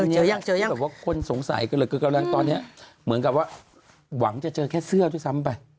เจอยังว่าคนสงสัยกำลังตอนนี้เหมือนกับว่าหวังจะเจอแค่เสื้อด้วยซ้ำไป